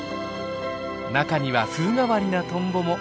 中には風変わりなトンボも。